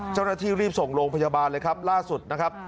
เจ้าหน้าที่รีบส่งโรงพยาบาลเลยครับล่าสุดนะครับ